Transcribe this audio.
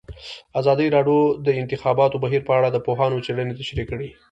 ازادي راډیو د د انتخاباتو بهیر په اړه د پوهانو څېړنې تشریح کړې.